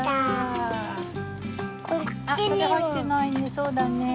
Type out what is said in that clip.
そうだねえ。